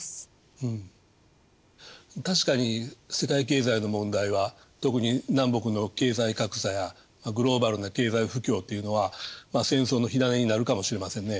うん確かに世界経済の問題は特に南北の経済格差やグローバルな経済不況っていうのは戦争の火種になるかもしれませんね。